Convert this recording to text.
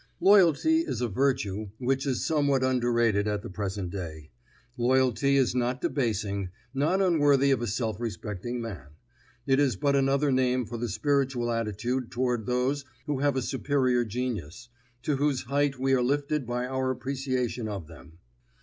Loyalty is a virtue which is somewhat underrated at the present day. Loyalty is not debasing, not unworthy of a self respecting man; it is but another name for the spiritual attitude toward those who have a superior genius, to whose height we are lifted by our appreciation of them.